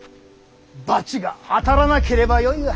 罰が当たらなければよいが。